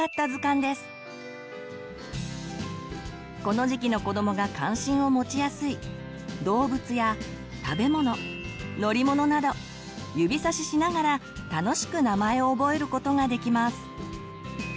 この時期の子どもが関心を持ちやすい「動物」や「食べ物」「乗り物」など指さししながら楽しく名前を覚えることができます。